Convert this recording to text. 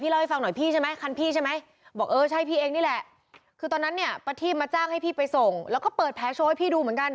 อเรนนี่มันจะเป็นรูใช่ไหมพี่อุ๋ย